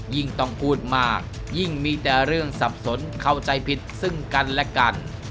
ยิ่งต้องพูดมากยิ่งมีแต่เรื่องสับสนเข้าใจผิดซึ่งกันและกัน